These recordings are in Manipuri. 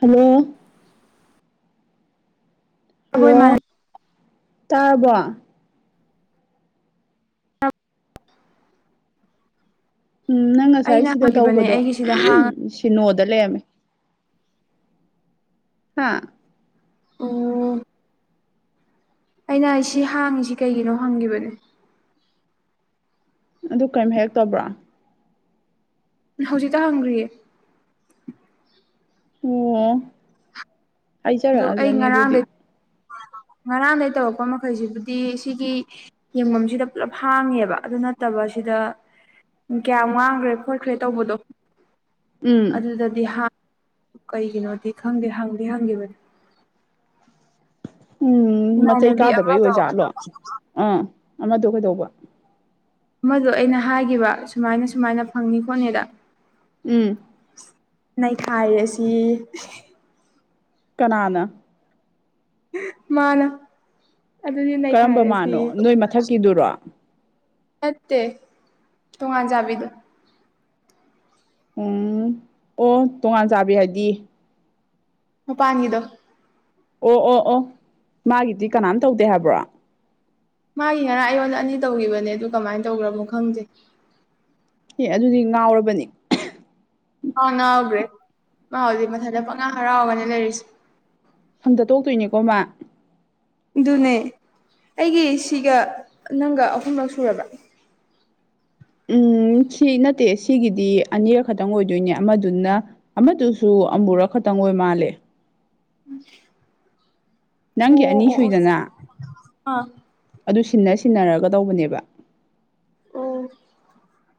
ꯍꯜꯂꯣ ꯑꯩꯈꯣꯏ ꯍꯜꯂꯣ ꯏꯃꯥꯟꯅ ꯇꯥꯔꯕꯣ ꯎꯝ ꯅꯪ ꯉꯁꯥꯏ ꯑꯩꯅ ꯁꯤꯗ ꯍꯪꯈꯤꯕꯅꯦ ꯇꯧꯕꯗꯣ ꯑꯩꯒꯤꯁꯤꯗ ꯍꯥꯡꯉ ꯁꯤꯅꯣꯗ ꯂꯩꯔꯝꯃꯦ ꯍꯥꯥ ꯑꯣ ꯑꯩꯅ ꯑꯩꯁꯤ ꯍꯥꯡꯉꯤꯁꯤ ꯀꯩꯒꯤꯅꯣ ꯍꯪꯈꯤꯕꯅꯦ ꯑꯗꯨ ꯀꯔꯤꯝ ꯍꯦꯛ ꯇꯧꯕ꯭ꯔꯥ ꯍꯧꯖꯤꯛꯇ ꯍꯪꯈ꯭ꯔꯤꯌꯦ ꯑꯣ ꯑꯗꯣ ꯑꯩ ꯍꯥꯏꯖꯔꯛꯑꯒꯅꯤ ꯑꯗꯨꯗꯤ ꯉꯔꯥꯡꯗꯩ ꯉꯔꯥꯡꯗꯩ ꯇꯧꯔꯛꯄ ꯃꯈꯩꯁꯤꯕꯨꯗꯤ ꯁꯤꯒꯤ ꯌꯦꯡꯐꯝꯁꯤꯗ ꯄꯨꯂꯞ ꯍꯥꯡꯉꯦꯕ ꯑꯗꯨ ꯅꯠꯇꯕ ꯁꯤꯗ ꯀꯌꯥꯝ ꯋꯥꯥꯡꯈ꯭ꯔꯦ ꯈꯣꯠꯈ꯭ꯔꯦ ꯇꯧꯕꯗꯣ ꯎꯝ ꯑꯗꯨꯗꯗꯤꯍꯥ ꯀꯩꯒꯤꯅꯣꯗꯤ ꯈꯪꯗꯦ ꯍꯪꯗꯦ ꯍꯪꯈꯤꯕꯅꯦ ꯎꯝ ꯃꯆꯩ ꯏꯃꯥꯟꯅꯕꯤ ꯀꯥꯗꯕꯩ ꯑꯃꯗꯣ ꯑꯣꯏꯖꯥꯠꯂꯣ ꯑꯥ ꯑꯃꯗꯣ ꯀꯩꯗꯧꯕ ꯑꯃꯗꯣ ꯑꯩꯅ ꯍꯥꯏꯈꯤꯕ ꯁꯨꯃꯥꯏꯅ ꯁꯨꯃꯥꯏꯅ ꯐꯪꯅꯤ ꯈꯣꯠꯅꯤꯗ ꯎꯝ ꯅꯥꯩꯈꯥꯏ ꯑꯁꯤ ꯀꯅꯥꯅ ꯃꯥꯅ ꯑꯗꯨꯗꯤ ꯀꯔꯝꯕ ꯅꯩꯈꯥꯏꯔꯁꯤ ꯃꯥꯅꯣ ꯅꯣꯏ ꯃꯊꯛꯀꯤꯗꯨꯔꯣ ꯅꯠꯇꯦ ꯇꯣꯉꯥꯟꯖꯥꯕꯤꯗꯣ ꯎꯝ ꯑꯣ ꯇꯣꯉꯥꯟ ꯆꯥꯕꯤ ꯍꯥꯏꯗꯤ ꯎꯄꯥꯥꯉꯤꯗꯣ ꯑꯣ ꯑꯣ ꯑꯣ ꯃꯥꯒꯤꯗꯤ ꯀꯅꯥꯝ ꯇꯧꯗꯦ ꯍꯥꯏꯕ꯭ꯔꯣ ꯃꯥꯒꯤ ꯉꯔ ꯑꯩꯌꯣꯟ ꯑꯅꯤ ꯇꯧꯈꯤꯕꯅꯦ ꯑꯗꯨ ꯀꯃꯥꯏꯅ ꯇꯧꯈ꯭ꯔꯕꯣ ꯈꯪꯗꯦ ꯑꯦ ꯑꯗꯨꯗꯤ ꯉꯥꯎꯔꯕꯅꯤ ꯑꯥꯎ ꯅꯥꯎꯈ꯭ꯔꯦ ꯃꯥ ꯍꯧꯖꯤꯛ ꯃꯊꯟꯗ ꯄꯪꯉꯥ ꯍꯔꯥꯎꯒꯅꯦ ꯂꯩꯔꯤꯁꯦ ꯐꯪꯗ ꯇꯣꯛꯇꯣꯏꯅꯦꯀꯣ ꯃꯥ ꯑꯗꯨꯅꯦ ꯑꯩꯒꯤ ꯁꯤꯒ ꯅꯪꯒ ꯑꯍꯨꯝꯂꯛ ꯁꯨꯔꯕ ꯎꯝ ꯁꯤ ꯅꯠꯇꯦ ꯁꯤꯒꯤꯗꯤ ꯑꯅꯤꯔꯛ ꯈꯛꯇꯪ ꯑꯣꯏꯗꯣꯏꯅꯦ ꯑꯃꯗꯨꯅ ꯑꯃꯗꯨꯁꯨ ꯑꯃꯕꯨꯔ ꯈꯛꯇꯪ ꯑꯣꯏ ꯃꯥꯜꯂꯦ ꯎꯝ ꯅꯪꯒꯤ ꯑꯅꯤ ꯁꯨꯏꯗꯅ ꯑꯥ ꯑꯗꯨ ꯁꯤꯟꯅ ꯁꯤꯟꯅꯔꯒ ꯇꯧꯕꯅꯦꯕ ꯑꯣ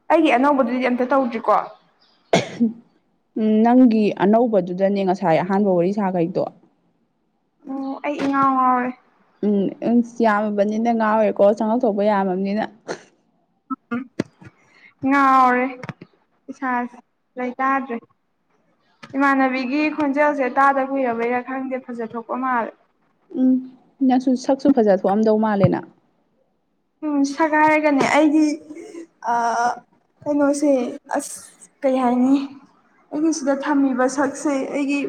ꯑꯩꯒꯤ ꯑꯅꯧꯕꯗꯨꯗꯤ ꯑꯝꯇ ꯇꯧꯗ꯭ꯔꯤꯀꯣ ꯅꯪꯒꯤ ꯑꯅꯧꯕꯗꯨꯗꯅꯦ ꯉꯁꯥꯏ ꯑꯍꯥꯟꯕ ꯋꯥꯔꯤ ꯁꯥꯈꯩꯗꯣ ꯑꯣ ꯑꯩ ꯏꯉꯥꯎ ꯉꯥꯎꯋꯦ ꯎꯝ ꯌꯥꯝꯃꯕꯅꯤꯅ ꯉꯥꯎꯔꯦꯀꯣ ꯆꯪꯉꯧ ꯊꯣꯛꯣꯛꯄ ꯌꯥꯝꯃꯕꯅꯤꯅ [unintelligible] ꯉꯥꯎꯔꯦ ꯏꯁꯥ ꯂꯩꯇꯥꯗ꯭ꯔꯦ ꯏꯃꯥꯟꯅꯕꯤꯒꯤ ꯈꯣꯟꯖꯦꯜꯁꯦ ꯇꯥꯗ ꯀꯨꯏꯔꯕꯩꯔꯥ ꯈꯪꯗꯦ ꯐꯖ ꯊꯣꯛꯣꯛꯄ ꯃꯥꯜꯂꯦ ꯎꯝ ꯅꯪꯁꯨ ꯁꯛꯁꯨ ꯐꯖ ꯊꯣꯛꯑꯝꯗꯧ ꯃꯥꯜꯂꯦꯅ ꯎꯝ ꯁꯛꯒ ꯍꯥꯏꯔꯒꯅꯦ ꯑꯩꯗꯤ ꯀꯩꯅꯣꯁꯦ ꯑꯁ ꯀꯩ ꯍꯥꯏꯅꯤ ꯑꯩꯅ ꯁꯤꯗ ꯊꯝꯃꯤꯕ ꯁꯛꯁꯦ ꯑꯩꯒꯤ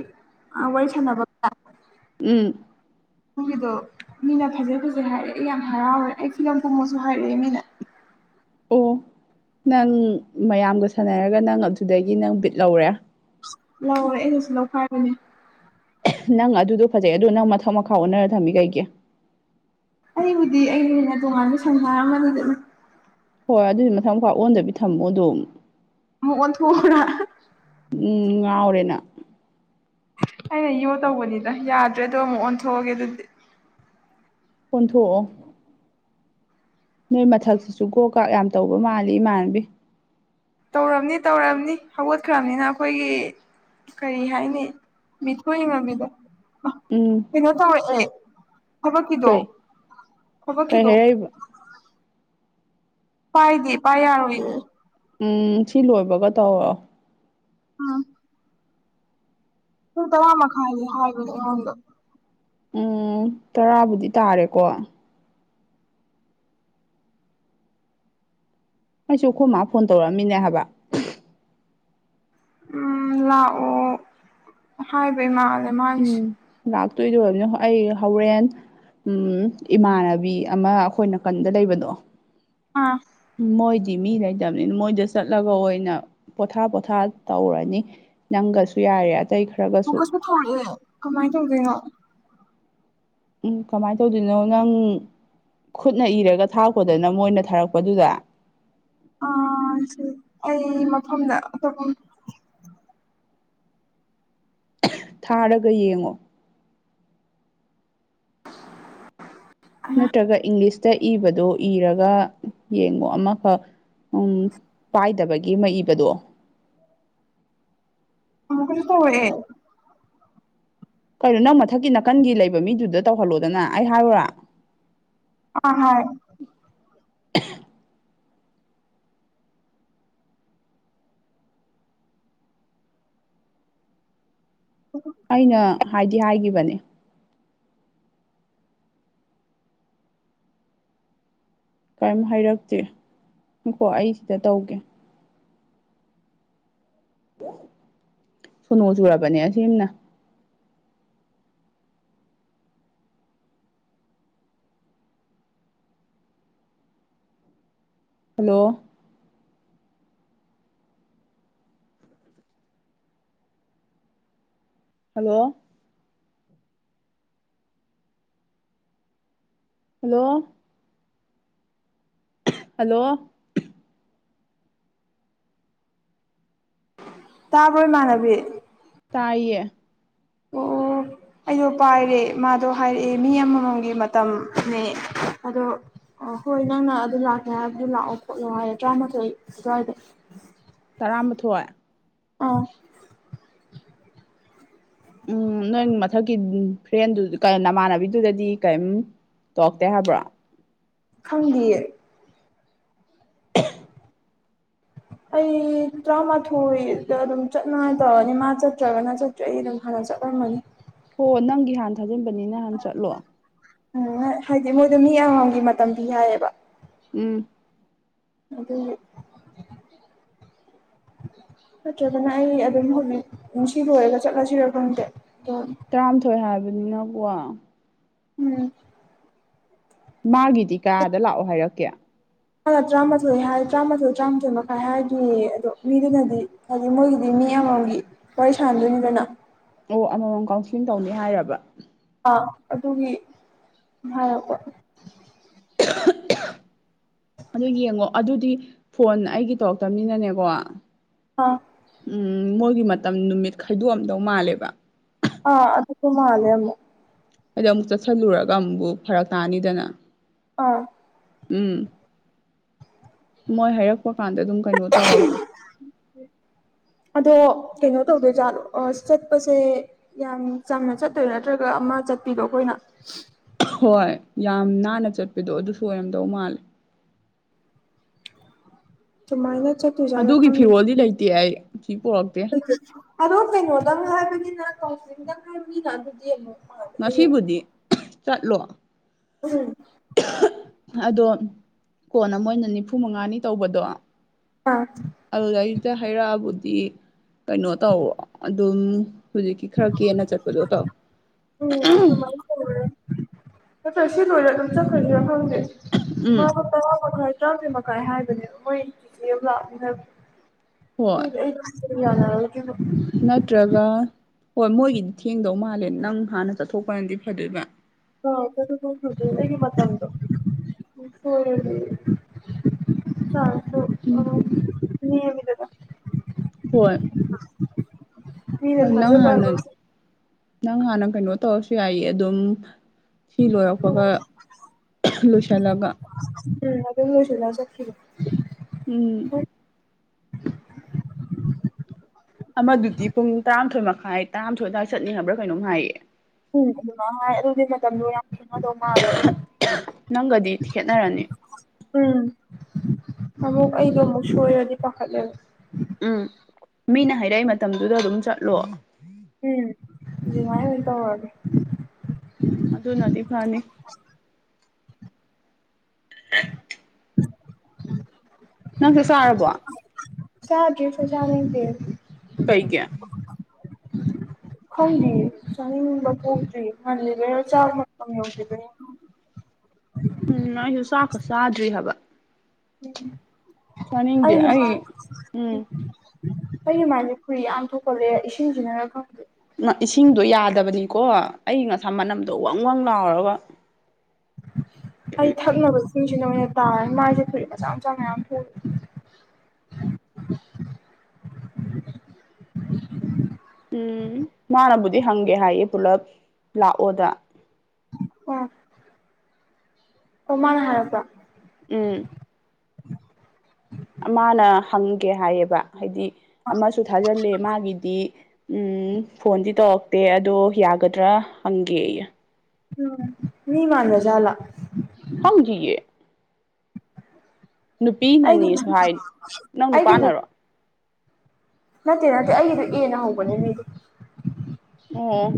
ꯋꯥꯔꯤ ꯁꯥꯟꯅꯕ ꯀꯌꯥ ꯎꯝ ꯑꯗꯨꯒꯤꯗꯣ ꯃꯤꯅ ꯐꯖꯩ ꯐꯖꯩ ꯍꯥꯏꯔꯛꯑꯦ ꯑꯩ ꯌꯥꯝ ꯍꯔꯥꯎꯔꯦ ꯑꯩ ꯐꯤꯂꯝ ꯀꯨꯝꯕꯁꯨ ꯍꯥꯏꯔꯛꯑꯦ ꯃꯤꯅ ꯎ ꯅꯪ ꯃꯌꯥꯝꯒ ꯁꯥꯟꯅꯔꯒ ꯅꯪ ꯑꯗꯨꯗꯒꯤ ꯅꯪ ꯕꯤꯠ ꯂꯧꯔꯦ ꯂꯧꯔꯦ ꯑꯩꯩꯅꯁꯨ ꯂꯧꯈꯥꯏꯕꯅꯦ ꯅꯪ ꯑꯗꯨꯗꯣ ꯐꯖꯩ ꯑꯗꯣ ꯅꯪ ꯃꯊꯛ ꯃꯈꯥ ꯎꯟꯅꯔ ꯊꯝꯃꯤ ꯀꯩꯒꯤꯦ ꯑꯩꯕꯨꯗꯤ ꯑꯩꯩꯅ ꯍꯦꯟꯅ ꯇꯣꯉꯥꯟꯕ ꯁꯪꯁꯥꯔ ꯑꯃꯗ ꯆꯠꯂꯨ ꯍꯣꯏ ꯑꯗꯨꯗꯤ ꯃꯊꯪ ꯃꯈꯨꯥ ꯑꯣꯟꯗꯕꯤ ꯊꯝꯃꯣ ꯑꯗꯣꯝ ꯃꯣꯊ ꯍꯔ ꯉꯥꯎꯔꯤꯦꯅ ꯑꯩꯅ ꯌꯣ ꯇꯧꯕꯅꯤꯗ ꯌꯥꯗ꯭ꯔꯦꯗꯣ ꯑꯃꯨꯛ ꯑꯣꯟꯊꯣꯛꯑꯒꯦ ꯑꯗꯨꯗꯤ ꯑꯣꯟꯊꯣꯛꯑꯣ ꯅꯣꯏ ꯃꯊꯛꯁꯤꯁꯨ ꯒꯣ ꯀ ꯌꯥꯝ ꯇꯧꯕ ꯃꯥꯜꯂꯤ ꯏꯃꯥꯟꯅꯕꯤ ꯇꯧꯔꯕꯝꯅꯤ ꯇꯧꯔꯝꯅꯤ ꯍꯧꯒꯠꯈ꯭ꯔꯕꯅꯤꯅ ꯑꯩꯈꯣꯏꯒꯤ ꯀꯔꯤ ꯍꯥꯏꯅꯤ ꯃꯤꯊꯣꯏꯏꯉꯝꯕꯤꯗꯣ ꯎꯝ ꯀꯩꯅꯣ ꯇꯧꯔꯛꯑꯦ ꯍꯕ ꯀꯗꯣ ꯀꯩ ꯍꯕ ꯀꯩ ꯀꯗꯣ ꯍꯥꯏꯔꯛꯏꯕ ꯄꯥꯏꯗꯤ ꯄꯥꯏ ꯌꯥꯣꯏ ꯎꯝ ꯁꯤ ꯂꯣꯏꯕꯒ ꯇꯧꯔꯣ ꯎꯝ ꯇ ꯇ ꯔꯃ ꯈꯂꯤ ꯍꯥꯏꯗꯤ ꯅꯗ ꯎꯝ ꯇꯔꯥꯕꯨꯗꯤ ꯇꯥꯔꯦꯀꯣ ꯑꯩꯁꯨ ꯑꯩꯈꯣꯏ ꯃꯥ ꯐꯣꯟ ꯇꯧꯔꯛꯑꯃꯤꯅꯦ ꯍꯥꯏꯕ ꯎꯝ ꯂꯥꯛꯑꯣ ꯍꯥꯏꯕ ꯏ ꯃꯥꯥꯜꯂꯦ ꯃꯥꯒꯤꯁꯦ ꯂꯥꯛꯇꯣꯏꯗꯣ ꯑꯣꯏꯕꯅꯤ ꯑꯩ ꯍꯣꯔꯦꯟ ꯎꯝ ꯏꯃꯥꯟꯅꯕꯤ ꯑꯃ ꯑꯩꯈꯣꯏꯅ ꯀꯟꯗ ꯂꯩꯕꯗꯣ ꯑꯥ ꯃꯣꯏꯗꯤ ꯃꯤ ꯂꯩꯇꯕꯅꯤꯅ ꯃꯣꯏꯗ ꯆꯠꯂꯒ ꯑꯣꯏꯅ ꯄꯣꯊꯥ ꯄꯣꯊꯥ ꯇꯧꯔꯅꯤ ꯅꯪꯒꯁꯨ ꯌꯥꯔꯦ ꯑꯇꯩ ꯈꯔ ꯃꯈꯀꯁꯨ ꯊꯧꯔꯛꯑꯦ ꯀꯃꯥꯏꯅ ꯇꯧꯒꯣꯏꯅꯣ ꯎꯝ ꯀꯃꯥꯏꯅ ꯇꯧꯗꯣꯏꯅꯣ ꯅꯪ ꯈꯨꯠꯅ ꯏꯔꯒ ꯊꯥꯛꯔꯛꯄꯗꯅ ꯃꯣꯏꯅ ꯊꯥꯔꯛꯄꯗꯨꯗ ꯑꯥ ꯁꯤ ꯑꯩ ꯃꯐꯝꯗ ꯑꯣꯞꯐꯝ ꯊꯥꯔꯒ ꯌꯦꯡꯉꯣ ꯅꯠꯇ꯭ꯔꯒ ꯏꯪꯂꯤꯁꯇ ꯏꯕꯗꯣ ꯏꯔꯒ ꯌꯦꯡꯕꯣ ꯑꯃꯈꯛ ꯎꯝ ꯄꯥꯏꯗꯕꯒꯤ ꯃ ꯏꯕꯗꯣ ꯑꯃ ꯀꯩꯅ ꯇ ꯑꯣꯏꯌꯦꯦ ꯀꯩꯅꯣ ꯅꯪ ꯃꯊꯛꯀꯤ ꯅꯥꯀꯟꯒꯤ ꯂꯩꯕ ꯃꯤꯗꯨꯗ ꯇꯧꯍꯜꯂꯣꯗꯅ ꯑꯩ ꯍꯥꯏꯔꯨꯔ ꯑ ꯍꯣꯏ ꯑꯩꯅ ꯍꯥꯏꯗꯤ ꯍꯥꯏꯈꯤꯕꯅꯦ ꯀꯔꯤꯝ ꯍꯥꯏꯔꯛꯇꯦ ꯀꯣ ꯑꯩ ꯁꯤꯗ ꯇꯧꯒꯦ ꯁꯣꯅꯃ ꯆꯨꯔꯥꯕꯅꯤꯁꯤꯅ ꯍꯂꯣ ꯍꯜꯂꯣ ꯍꯜꯂꯣ ꯍꯜꯂꯣ ꯇꯥꯕꯣꯏ ꯃꯥꯥꯟꯅꯕꯤ ꯇꯌꯦ ꯑꯣ ꯑꯩꯗꯣ ꯄꯥꯏꯔꯦ ꯃꯥꯗꯣ ꯍꯥꯏꯔꯛꯑꯦ ꯃꯤ ꯑꯃꯃꯝꯒꯤ ꯃꯇꯝꯅꯦ ꯑꯗꯣ ꯍꯣꯏ ꯅꯪꯅ ꯑꯗꯨ ꯂꯥꯛꯀꯦ ꯍꯥꯏꯕꯗꯨ ꯂꯥꯛꯑꯣ ꯈꯣꯠꯂꯣ ꯍꯥꯏꯌꯦꯦ ꯇꯔꯥꯃꯥꯊꯣꯏ ꯑꯗꯨ꯭ꯋꯥꯏꯗ ꯑꯔꯥꯥꯟꯕ ꯊꯣꯛꯑꯦ ꯑꯥ ꯎꯝ ꯅꯣꯏ ꯃꯊꯛꯀꯤ ꯐ꯭ꯔꯦꯟꯗꯨ ꯅꯃꯥꯟꯅꯕꯤꯗꯨꯗꯗꯤ ꯀꯔꯤꯝ ꯇꯣꯛꯇꯦ ꯍꯥꯏꯕ꯭ꯔꯣ ꯈꯪꯕꯤꯌꯦ [inaudible] ꯑꯩ ꯇꯔꯥꯃꯥꯊꯣꯏꯗ ꯑꯗꯨꯝ ꯆꯠꯅꯉꯥꯏ ꯇꯧꯔꯅꯤ ꯃꯥ ꯆꯠꯇ꯭ꯔꯒꯅ ꯆꯠꯇꯦ ꯑꯩ ꯑꯗꯨꯝ ꯍꯜꯉꯛ ꯖꯠꯂꯝ ꯑꯃꯅꯤ ꯍꯣ ꯅꯪꯒꯤ ꯍꯥꯟ ꯊꯥꯖꯤꯟꯕꯅꯤꯅ ꯅꯥꯟ ꯆꯠꯂꯣ ꯎꯝ ꯍꯥꯏꯗꯤ ꯃꯣꯏꯗꯣ ꯃꯤ ꯑꯝꯒꯤ ꯃꯇꯝ ꯄꯤ ꯍꯥꯏꯌꯦꯕ ꯎꯝ ꯑꯗꯨꯗ ꯅꯠꯇ꯭ꯔꯒꯅ ꯑꯩ ꯑꯗꯨꯝ ꯍꯧꯖꯤꯛ ꯅꯨꯡꯁꯤ ꯂꯣꯏꯔꯒ ꯆꯠꯂꯁꯤꯔꯣ ꯈꯗꯦ ꯇꯔꯥꯃꯥꯊꯣꯏ ꯍꯥꯏꯕꯅꯤꯅꯀꯣ ꯎꯝ ꯃꯥꯒꯤꯗꯤ ꯀꯌꯥꯗ ꯂꯥꯛꯑꯣ ꯍꯥꯏꯔꯛꯀꯦ ꯃꯥ ꯇꯔꯥꯃꯥꯊꯣꯏ ꯍꯥꯏ ꯇꯔꯥꯃꯊꯣꯏ ꯇꯔꯥꯃꯥꯊꯣꯏ ꯃꯈꯥꯏ ꯍꯥꯏꯗꯌꯦ ꯑꯗꯣ ꯃꯤꯗꯨꯅꯗꯤ ꯍꯥꯏꯗꯤ ꯃꯣꯏꯒꯤꯗꯤ ꯃꯤ ꯑꯃꯒꯤꯃꯝ ꯋꯥꯔꯤ ꯁꯥꯟꯗꯣꯏꯅꯤꯗꯅ ꯑꯣ ꯑꯃꯃꯝ ꯀꯥꯎꯟꯁꯂꯤꯡ ꯇꯧꯅꯤ ꯍꯥꯏꯔꯕ ꯑꯗꯨꯒꯤ ꯍꯥꯏꯄꯣ [inaudible] ꯑꯗꯨ ꯌꯦꯡꯉꯣ ꯑꯗꯨꯗꯤ ꯐꯣꯟ ꯑꯩꯒꯤ ꯇꯧꯔꯛꯇꯕꯅꯤꯅꯅꯦꯀꯣ ꯑꯥ ꯎꯝ ꯃꯣꯏꯒꯤ ꯃꯇꯝ ꯅꯨꯃꯤꯠ ꯈꯥꯏꯗꯣꯛꯑꯝꯗꯧ ꯃꯥꯜꯂꯦꯕ ꯑꯥ ꯑꯗꯨꯁꯨ ꯃꯥꯅꯦꯦ ꯍꯥꯏꯗꯤ ꯑꯃꯨꯛ ꯆꯠꯁꯤꯜꯂꯨꯔꯒ ꯑꯃꯨꯛꯕꯨ ꯐꯔꯛ ꯇꯥꯅꯤꯗꯅ ꯑꯥ ꯎꯝ ꯃꯣꯏ ꯍꯥꯏꯔꯛꯄ ꯀꯥꯟꯗ ꯑꯗꯨꯝ ꯀꯩꯅꯣ ꯇꯧꯔꯒꯦ ꯑꯗꯣ ꯀꯩꯅꯣ ꯇꯧꯗꯣꯏꯥꯠꯂ ꯑ ꯆꯠꯄꯁꯦ ꯌꯥꯝ ꯆꯝꯅ ꯆꯠꯇꯣꯏ ꯅꯠꯇ꯭ꯔꯒ ꯑꯃ ꯆꯠꯄꯤꯗꯣ ꯑꯩꯈꯣꯏ ꯄꯨ ꯍꯣꯏ ꯌꯥꯝ ꯅꯥꯟꯅ ꯆꯠꯄꯗꯣ ꯑꯗꯨꯁꯨ ꯑꯣꯏꯔꯝꯗꯧ ꯃꯥꯜꯂꯦ ꯇꯨꯃꯥꯏꯅ ꯑꯗꯨꯒꯤ ꯐꯤꯔꯣꯜꯗꯤ ꯂꯩꯇꯦ ꯑꯩ ꯁꯤ ꯄꯣꯔꯛꯇꯦ ꯑꯗꯣ ꯀꯩꯅꯣꯗꯪ ꯍꯥꯏꯕꯅꯤꯅ ꯀꯥꯎꯟꯂꯤꯡꯗꯪ ꯍꯥꯏꯕꯅꯤꯅ ꯑꯗꯨꯗꯤ ꯑꯃꯨꯛ ꯃꯥꯜꯂꯦ ꯍꯌꯦꯡ ꯉꯁꯤꯕꯨꯗꯤ ꯆꯠꯂꯣ ꯎꯝ ꯑꯗꯣ ꯀꯣꯟꯅ ꯃꯣꯏꯅ ꯅꯤꯐꯨ ꯃꯉꯥꯅꯤ ꯇꯧꯕꯗꯣ ꯑꯥ ꯑꯗꯨꯗꯩꯗ ꯍꯥꯏꯩꯔꯛꯑꯕꯨꯗꯤ ꯀꯩꯅꯣ ꯇꯧꯣ ꯑꯗꯨꯝ ꯍꯧꯖꯤꯛꯀꯤ ꯈꯔ ꯀꯦꯅ ꯆꯠꯄꯗꯣ ꯇꯧ ꯇꯁꯤ ꯇꯔ ꯇ ꯈꯔꯗꯤꯔ ꯐꯪꯗꯦ ꯎꯝ ꯃꯥ ꯇ ꯃꯈ ꯆ ꯃꯈꯀꯥꯏ ꯍꯥꯏꯕꯅꯦ ꯃꯣꯏꯤ ꯂꯥꯛꯅ ꯍꯣꯏ ꯌꯥ ꯅꯠꯇ꯭ꯔꯒ ꯍꯣꯏ ꯃꯣꯏꯒꯤꯗꯤ ꯊꯦꯡꯗꯧ ꯃꯥꯜꯂꯦ ꯅꯪ ꯍꯥꯟꯅ ꯆꯠꯊꯣꯛꯄꯅꯗꯤ ꯐꯗꯣꯏꯕ ꯍ ꯍꯦꯒꯤ ꯃꯗꯣꯗꯤ ꯆ ꯎꯝ ꯃꯤꯃꯤꯗꯗ ꯍꯣꯏ ꯃꯤꯅꯦ ꯅꯪ ꯊꯖꯕ ꯍꯥꯟꯅ ꯅꯪ ꯍꯥꯟꯅ ꯀꯩꯅꯣ ꯇꯧꯔꯁꯨ ꯌꯥꯏ ꯑꯗꯨꯝ ꯁꯤ ꯂꯣꯏꯔꯛꯄꯒ ꯂꯣꯏꯁꯤꯜꯂꯒ ꯎꯝ ꯑꯗꯨ ꯍꯧꯂ ꯁ ꯐꯈꯤ ꯎꯝ ꯑꯃꯗꯨꯗꯤ ꯄꯨꯡ ꯇꯔꯥꯃꯥꯊꯣꯏ ꯃꯈꯥꯏ ꯇꯔꯥꯃꯥꯊꯣꯏ ꯑꯗꯨꯏ ꯆꯠꯅꯤꯡꯉꯕ꯭ꯔꯥ ꯀꯩꯅꯣꯝ ꯉꯥꯏꯌꯦ ꯎꯝ ꯑꯗꯨꯃ ꯑꯗꯨꯒꯤ ꯃꯇꯝꯗꯣ ꯌꯥꯝ ꯏꯅꯥꯗꯣ ꯃꯥꯜ ꯅꯪꯒꯗꯤ ꯈꯦꯠꯅꯔꯅꯤ ꯎꯝ ꯑꯃꯨꯛ ꯑꯩꯗꯣ ꯑꯃꯨꯛ ꯁꯣꯏꯔꯗꯤ ꯄꯥꯈꯠꯂꯦꯕ ꯎꯝ ꯃꯤꯅ ꯍꯥꯏꯔꯛꯏ ꯃꯇꯝꯗꯨꯗ ꯑꯗꯨꯝ ꯆꯠꯂꯣ ꯎꯝ ꯃ ꯇꯧꯕꯒ ꯎꯝ ꯑꯗꯨꯅꯗꯤ ꯐꯅꯤ ꯅꯪꯁꯦ ꯆꯥꯔꯕꯣ ꯆꯒꯦꯁꯨꯖꯥꯅꯒ ꯀꯩ ꯀꯌꯥ ꯈꯜꯂꯤ ꯆꯥꯅꯤꯡꯕ ꯄꯣꯛꯗ꯭ꯔꯤ ꯈꯜꯂꯤ ꯀ ꯆꯥ ꯃꯇꯝ ꯌꯧꯗ꯭ꯔꯤꯔꯤꯕꯅꯤ ꯎꯝ ꯑꯩꯁꯨ ꯆꯥꯛꯀ ꯆꯥꯗ꯭ꯔꯤ ꯍꯥꯏꯕ ꯑ ꯆꯥꯅꯤꯡꯗꯦ ꯑꯩ ꯎꯝ ꯀꯒꯤ ꯃꯥꯏꯗꯤꯦ ꯈꯨꯨꯔꯤ ꯌꯥꯝꯟ ꯊꯣꯛꯀꯠꯂꯦ ꯏꯁꯤꯡꯁꯤꯅꯔ ꯈꯪꯗꯦ ꯏꯁꯤꯡꯗꯣ ꯌꯥꯗꯕꯅꯤꯀꯣ ꯑꯩ ꯉꯁꯥ ꯃꯅꯝꯗꯣ ꯋꯥꯪ ꯋꯥꯋꯪ ꯂꯥꯎꯔꯒ ꯑꯩ ꯊꯛꯅꯕꯅꯕꯁꯦ ꯁꯤꯡꯁꯤ ꯅ ꯑꯣꯏꯅ ꯇꯥꯔ ꯃꯥꯏꯁꯦ ꯐꯔꯤ ꯃꯆꯥ ꯃꯆꯥ ꯃꯌꯥꯝ ꯊꯣꯛꯏ [inaudible] [inaudible] ꯗꯤ ꯍꯪꯒꯦ ꯍꯥꯏꯌꯦ ꯄꯨꯂꯞ ꯂꯥꯛꯑꯣꯗ ꯑ ꯑꯣꯃꯥꯟ ꯍꯥꯏꯔꯁ ꯎꯝ ꯎ ꯃꯥꯅ ꯍꯪꯒꯦ ꯍꯥꯏꯌꯦꯕ ꯍꯥꯏꯗꯤ ꯑꯃꯁꯨ ꯊꯥꯖꯤꯜꯂꯦ ꯃꯥꯒꯤꯗꯤ ꯎꯝ ꯐꯣꯟꯗꯤ ꯇꯧꯔꯛꯇꯦ ꯑꯗꯣ ꯌꯥꯒꯗ꯭ꯔꯥ ꯍꯪꯒꯦ ꯑꯩ ꯎꯝ ꯃꯤ ꯃꯥꯟꯂ ꯆꯂ ꯍꯪꯖꯤꯌꯦ ꯑꯩꯒꯤ ꯅꯨꯄꯤꯅꯅꯦ ꯁꯨ ꯍꯥꯏ ꯅꯪ ꯑꯩꯒꯤꯗꯨ ꯅꯨꯄꯥꯅꯔꯣ ꯅꯠꯇꯦ ꯅꯠꯇꯦ ꯑꯩꯗꯨ ꯑꯦ ꯅ ꯍꯧꯕꯅꯦ ꯃꯤꯗꯤ ꯑꯣ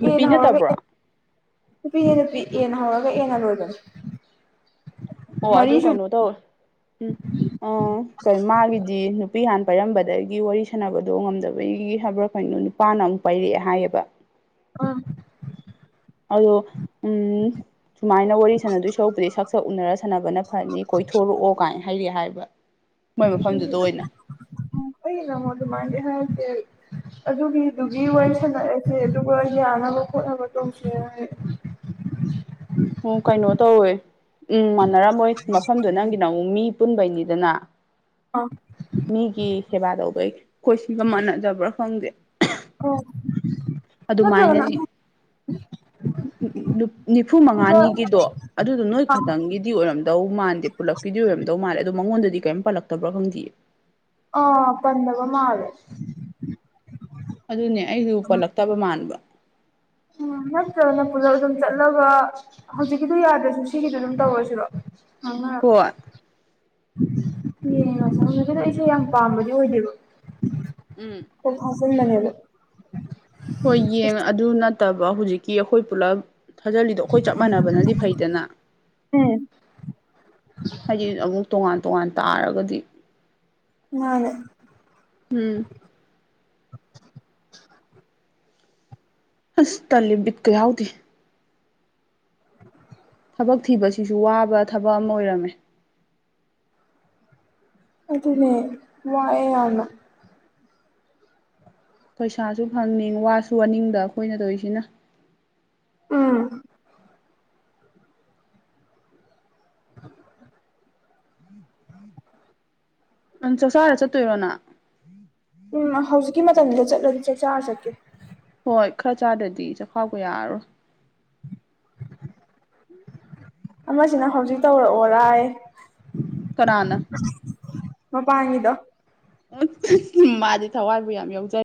ꯅꯨꯄꯤ ꯌꯦꯅ ꯍ ꯅꯠꯇꯕ꯭ꯔꯣ ꯅꯨꯄꯤꯅꯦ ꯅꯨꯄꯤ ꯌꯦꯟ ꯍꯧꯔꯒ ꯑꯦꯟꯉꯔꯣꯏꯗꯅ ꯑꯣ ꯑꯗꯨ ꯀꯩꯅꯣ ꯇꯧꯔꯦ ꯎꯝ ꯑ ꯀ ꯃꯥꯒꯤꯗꯤ ꯅꯨꯄꯤ ꯍꯥꯟ ꯄꯥꯏꯔꯝꯕꯗꯒꯤ ꯋꯥꯔꯤ ꯁꯥꯟꯅꯕꯗꯣ ꯉꯝꯗꯕꯒꯤ ꯍꯥꯏꯕ꯭ꯔꯥ ꯀꯩꯅꯩꯅꯣ ꯅꯨꯄꯥꯅ ꯑꯃꯨꯛ ꯄꯥꯏꯔꯛꯑꯦ ꯍꯥꯏꯌꯦꯕ ꯑꯥ ꯑꯗꯣ ꯎꯝ ꯁꯨꯃꯥꯏꯅ ꯋꯥꯔꯤ ꯁꯥꯟꯅꯗꯣꯏ ꯁꯔꯛꯄꯨꯗꯤ ꯁꯛ ꯁꯛ ꯎꯅꯔ ꯁꯥꯟꯅꯕꯅ ꯐꯅꯤ ꯀꯣꯏꯊꯣꯔꯛꯑꯣ ꯀꯥꯏꯅ ꯍꯥꯏꯗꯤ ꯍꯥꯏꯕ ꯃꯣꯏ ꯃꯐꯝꯗꯨꯗ ꯑꯣꯏꯅ ꯎꯝ ꯀ ꯅ ꯃ ꯑꯗꯨ ꯃꯥꯦ ꯍꯥꯏ [inaudible] ꯑꯗꯨꯒꯤꯗꯨꯒꯤ ꯋꯥꯔꯤ ꯁꯥꯟꯂꯑꯁꯦ ꯑꯗꯨꯒ ꯌꯥꯅꯕ ꯈꯣꯠꯅꯕ ꯇꯧꯁꯦ ꯎ ꯀꯩꯅꯣ ꯇꯧꯋꯦ ꯎꯝ ꯃꯥꯟꯅꯔꯝꯃꯣꯏ ꯃꯐꯝꯗꯨ ꯅꯪꯒꯤ ꯅꯪ ꯃꯤ ꯑꯄꯨꯟꯕꯩꯅꯤꯗꯅ ꯑꯥ ꯑꯣ ꯃꯤꯒꯤ ꯁꯦꯕꯥ ꯇꯧꯗꯣꯏ ꯀꯣꯏꯁꯤꯟꯒ ꯃꯥꯟꯅꯗꯕ꯭ꯔꯥ ꯈꯪꯗꯦ ꯑ ꯇ ꯆ ꯑꯗꯨꯃꯥꯏꯅꯅꯦ ꯅꯤꯐꯨ ꯃꯉꯥꯅꯤꯒꯤꯗꯣ ꯑꯗꯨꯗꯣ ꯅꯣꯏ ꯈꯇꯪꯒꯤꯗꯤ ꯑꯣꯏꯔꯝꯗ ꯗꯧ ꯃꯥꯟꯗꯦ ꯄꯨꯜꯂꯛꯀꯤꯗꯤ ꯑꯣꯏꯔꯝꯗꯧ ꯃꯥꯜꯂꯦ ꯑꯗꯣ ꯃꯉꯣꯟꯗꯗꯤ ꯀꯔꯤꯝ ꯄꯜꯂꯛꯇꯕ꯭ꯔꯥ ꯈꯪꯗꯦ ꯑꯥ ꯄꯟꯗꯕ ꯃꯥ ꯑꯗꯨꯅꯦ ꯑꯩꯁꯨ ꯄꯜꯂꯛꯇꯕ ꯃꯥꯟꯕ [inaudible] ꯅꯠꯇ꯭ꯔꯅ ꯄꯨꯂꯞ ꯑꯗꯨꯝ ꯆꯠꯂꯒ ꯍꯧꯖꯤꯛꯀꯤꯗꯨꯣ ꯌꯥꯗ꯭ꯔꯁꯨ ꯁꯤꯒꯤꯗ ꯑꯗꯨꯝ ꯇꯧꯔꯁꯤꯕ ꯑꯉ ꯍꯣꯏ ꯌꯦꯡ ꯃꯁ ꯀꯗꯣ ꯑꯩꯁꯦ ꯌꯥꯝ ꯄꯥꯝꯕꯗꯤ ꯑꯣꯏꯗꯦꯕ ꯎꯝ ꯆꯟꯅ ꯂꯩꯕ ꯍꯣꯏ ꯌꯦꯡ ꯑꯗꯨ ꯅꯠꯇꯕ ꯍꯧꯖꯤꯛꯀꯤ ꯑꯩꯈꯣꯏ ꯄꯨꯂꯞ ꯊꯥꯖꯤꯜꯂꯤꯗꯣ ꯑꯩꯈꯣꯏ ꯆꯞ ꯃꯥꯟꯅꯕꯅꯗꯤ ꯐꯩꯗꯅ ꯎꯝ ꯍꯥꯏꯗꯤ ꯑꯃꯨꯛ ꯇꯣꯉꯥꯟ ꯇꯣꯉꯥꯟ ꯇꯥꯔꯒꯗꯤ ꯑꯅꯦ ꯎꯝ ꯑꯁ ꯇꯜꯂꯤꯦ ꯠꯀ ꯌꯥꯎꯗꯤ [inaudible] ꯊꯕꯛ ꯊꯤꯕꯁꯤꯁꯨ ꯋꯥꯕ ꯊꯕꯛ ꯑꯃ ꯑꯣꯏꯔꯝꯃꯦ ꯑꯗꯨꯗꯅꯦ ꯏꯅ ꯄꯩꯁꯥꯁꯨ ꯐꯪꯅꯤꯡ ꯋꯥꯁꯨ ꯑꯅꯤꯡꯕ ꯑꯩꯈꯣꯏꯅ ꯇꯧꯔꯤꯁꯤꯅ ꯎꯝ [inaudible] ꯑ ꯆ ꯁꯔ ꯆꯠꯠꯇꯨꯔꯣꯅꯥ ꯎꯝ ꯍꯧꯖꯤꯛꯀꯤ ꯃꯇꯝꯗꯨꯗ ꯆꯠꯂꯗꯤ ꯆꯥꯛ ꯆꯥꯔ ꯆꯠꯀꯦ ꯍꯣꯏ ꯈꯔ ꯆꯥꯗ꯭ꯔꯗꯤ ꯆꯈꯥꯎꯕ ꯌꯥꯔꯔꯣꯏ ꯎꯝ ꯑꯃꯁꯤꯅ ꯍꯧꯖꯤꯛ ꯇꯧꯔꯛꯑꯣꯔꯥꯏ ꯀꯅ ꯃ ꯄꯉꯗ ꯃꯥꯗꯤ ꯊꯋꯥꯏꯕꯨ ꯌꯥꯝ ꯌꯥꯎꯖꯩ